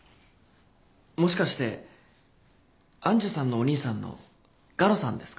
もしかして愛珠さんのお兄さんの我路さんですか？